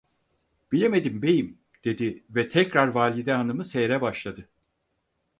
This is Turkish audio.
"Bilemedim beyim!" dedi ve tekrar valide hanımı seyre başladı.